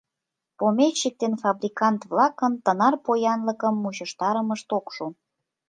Помещик ден фабрикант-влакын тынар поянлыкым мучыштарымышт ок шу.